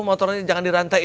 motornya jangan dirantain aja